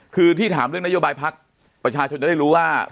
คือที่ถามเรื่องนโยบายพักประชาชนจะได้รู้ว่า